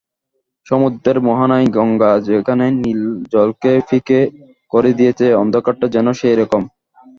সমুদ্রের মোহানায় গঙ্গা যেখানে নীল জলকে ফিকে করে দিয়েছে, অন্ধকারটা যেন সেইরকম।